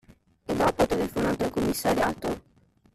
E dopo telefonato al commissariato?